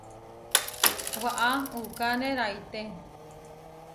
Waʼá uʼkane raité.